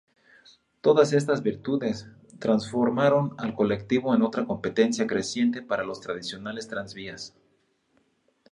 Todas estas virtudes transformaron al colectivo en otra competencia creciente para los tradicionales tranvías.